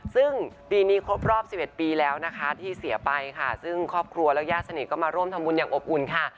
ซึ่งปีนี้ครบรอบ๑๑ปีแล้วนะคะที่เสียไปค่ะซึ่งครอบครัวและญาติสนิทก็มาร่วมทำบุญอย่างอบอุ่นค่ะ